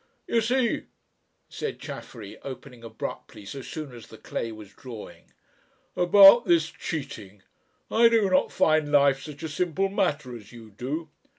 "You see," said Chaffery, opening abruptly so soon as the clay was drawing, "about this cheating I do not find life such a simple matter as you do."